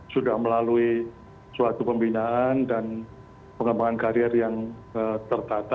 sudah melalui suatu pembinaan dan pengembangan karir yang tertata